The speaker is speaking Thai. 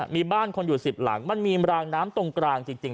มีบ้านคนอยู่๑๐หลังมันมีรางน้ำตรงกลางจริง